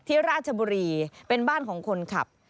ราชบุรีเป็นบ้านของคนขับ